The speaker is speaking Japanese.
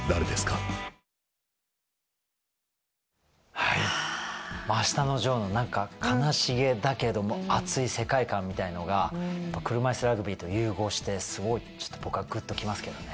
はい「あしたのジョー」の何か悲しげだけども熱い世界観みたいなのが車いすラグビーと融合してすごい僕はグッと来ますけどね。